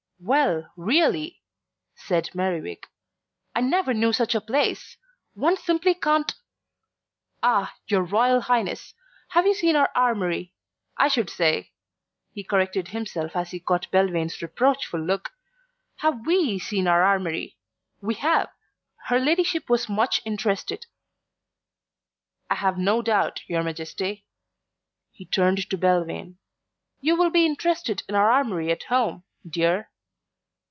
"Well, really," said Merriwig, "I never knew such a place. One simply can't Ah, your Royal Highness, have you seen our armoury? I should say," he corrected himself as he caught Belvane's reproachful look, "have we seen our armoury? We have. Her ladyship was much interested." "I have no doubt, your Majesty." He turned to Belvane. "You will be interested in our armoury at home, dear."